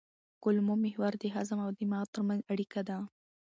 کولمو محور د هضم او دماغ ترمنځ اړیکه ده.